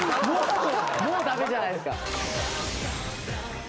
もうもうダメじゃないですか。